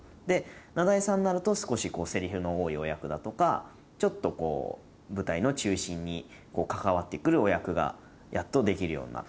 名題さんになると少しセリフの多いお役だとかちょっと舞台の中心に関わって来るお役がやっとできるようになる。